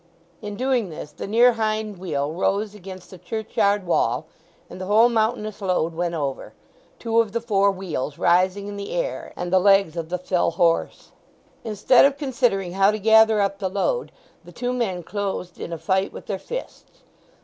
In doing this the near hind wheel rose against the churchyard wall and the whole mountainous load went over, two of the four wheels rising in the air, and the legs of the thill horse. Instead of considering how to gather up the load the two men closed in a fight with their fists.